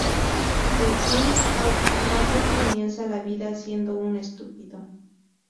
Según Holt, nadie comienza la vida siendo un estúpido.